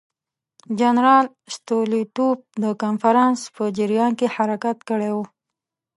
جنرال ستولیتوف د کنفرانس په جریان کې حرکت کړی وو.